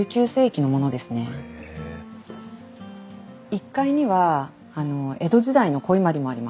１階には江戸時代の古伊万里もあります。